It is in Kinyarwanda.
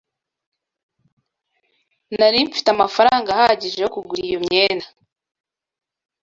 Nari mfite amafaranga ahagije yo kugura iyo myenda.